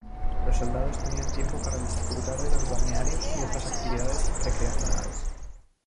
Los soldados tenían tiempo para disfrutar de los balnearios y otras actividades recreacionales.